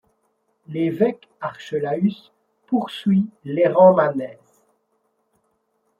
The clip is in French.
L’évêque Archelaüs poursuit l’errant Manès ;